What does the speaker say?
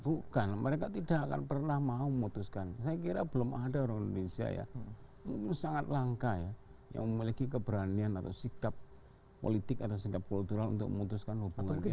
bukan mereka tidak akan pernah mau memutuskan saya kira belum ada orang indonesia ya ini sangat langka ya yang memiliki keberanian atau sikap politik atau sikap kultural untuk memutuskan hubungannya